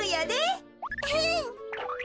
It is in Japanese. うん。